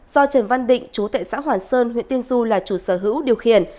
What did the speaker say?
do trần văn định chú tệ xã hoàn sơn huyện tiên du là chủ sở hữu điều khiển